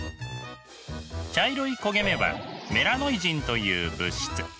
茶色い焦げ目はメラノイジンという物質。